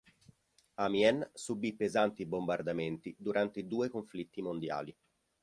Amiens subì pesanti bombardamenti durante i due conflitti mondiali.